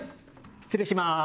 失礼します。